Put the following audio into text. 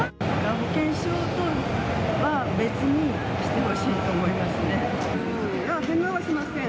保険証とは別にしてほしいと返納はしません。